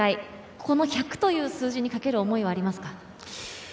この１００という数字にかける思いはありますか？